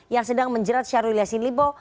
yang sedang menjerat syahrul yassin limpo